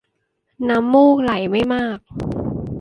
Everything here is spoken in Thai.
น้ำมูกไหลไม่มาก